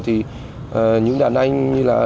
thì những đàn anh như là